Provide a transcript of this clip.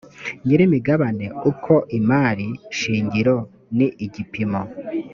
nyirimigabane uko imari shingiro ni igipimo